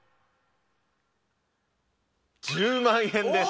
１０万円です。